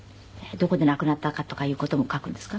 どこで亡くなったかとかいう事も書くんですか？